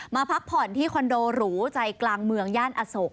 พักผ่อนที่คอนโดหรูใจกลางเมืองย่านอโศก